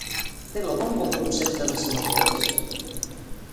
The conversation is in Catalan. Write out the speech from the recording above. Té l'home un bon concepte de si mateix?